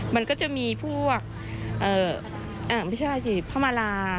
มันก็จะมีพวกไม่ใช่สิพระมาลา